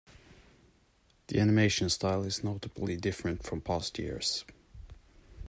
The animation style is notably different from past years.